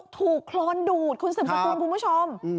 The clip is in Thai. ถูกโคลนดูดคุณสมสัตว์คุณผู้ชม